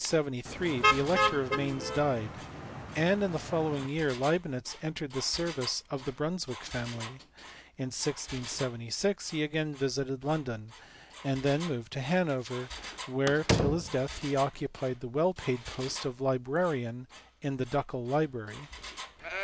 327). In 1673 the elector of Mainz died, and in the following year Leibnitz entered the service of the Brunswick family; in 1676 he again visited London, and then moved to Hanover, where LEIBNITZ. 361 till his death he occupied the well paid post of librarian in the ducal library.